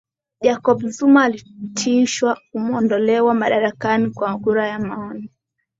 jacob zuma alitishwa kumwondolewa madarakani kwa kura ya maoni